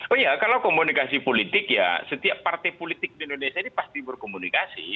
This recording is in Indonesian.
oh iya kalau komunikasi politik ya setiap partai politik di indonesia ini pasti berkomunikasi